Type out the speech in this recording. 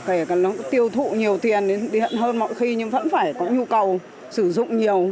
kể cả nó tiêu thụ nhiều tiền hơn mọi khi nhưng vẫn phải có nhu cầu sử dụng nhiều